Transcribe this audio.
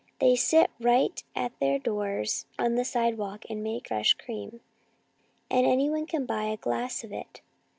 They sit right at their doors on the sidewalk and make the fresh cream, and any one can buy a glass of it."